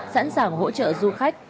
sẵn sàng hỗ trợ du khách